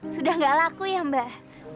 sudah nggak laku ya mbak